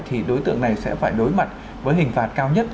thì đối tượng này sẽ phải đối mặt với hình phạt cao nhất